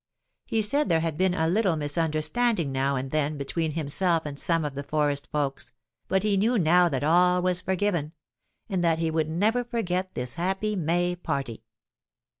He said there had been a little misunderstanding now and then between himself and some of the forest folks, but he knew now that all was forgiven, and that he would never forget this happy May party.